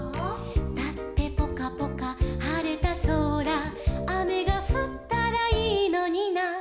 「だってぽかぽかはれたそら」「あめがふったらいいのにな」